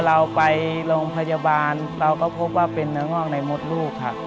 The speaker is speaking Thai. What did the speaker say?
เราไปโรงพยาบาลเราก็พบว่าเป็นเนื้องอกในมดลูกค่ะ